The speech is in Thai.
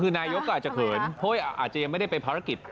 คือนายกอาจจะเขินเฮ้ยอาจจะยังไม่ได้เป็นภารกิจ